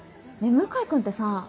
向井君ってさ